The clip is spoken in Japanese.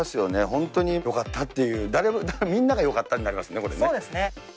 本当によかったっていう、誰も、みんながよかったになりますね。